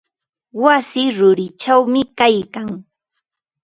Wasi rurichawmi kaylkan.